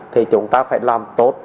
thì chúng ta phải làm tốt